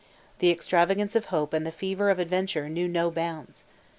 The extravagance of hope and the fever of adventure knew no bounds.